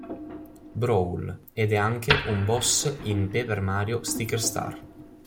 Brawl ed è anche un boss in "Paper Mario Sticker Star".